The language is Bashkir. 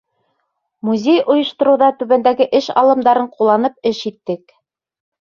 Музей ойоштороуҙа түбәндәге эш алымдарын ҡулланып эш иттек: